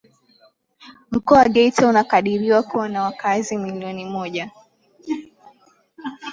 Mkoa wa Geita unakadiriwa kuwa na wakazi milioni moja